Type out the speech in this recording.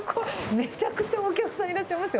めちゃくちゃお客さんいらっしゃいますよ。